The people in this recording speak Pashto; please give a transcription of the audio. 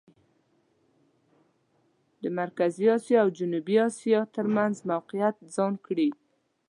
د مرکزي اسیا او جنوبي اسیا ترمېنځ موقعیت ځان کړي.